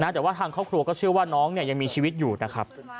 แต่ว่าทางครอบครัวก็เชื่อว่าน้องยังมีชีวิตอยู่นะครับ